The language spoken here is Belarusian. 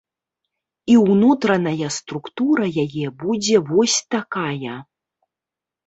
І ўнутраная структура яе будзе вось такая.